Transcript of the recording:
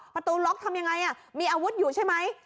ประตูล็อกทำยังไงมีอาวุธอยู่ใช่ไหม